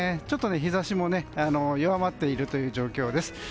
ちょっと日差しも弱まっているという状況です。